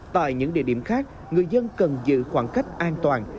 tại những địa điểm khác người dân cần giữ khoảng cách an toàn